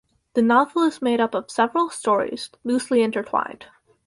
The novel is made up of several stories loosely intertwined.